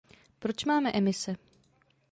Proč máme emise?